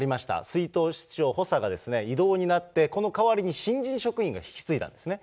出納室長補佐が、異動になって、この代わりに新人職員が引き継いだんですね。